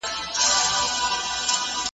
پکښي ناست به د ناحقه شاهدان ول